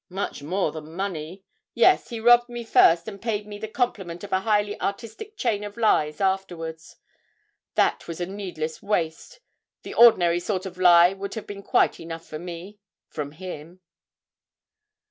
'Much more than money! Yes, he robbed me first and paid me the compliment of a highly artistic chain of lies afterwards. That was a needless waste; the ordinary sort of lie would have been quite enough for me from him.'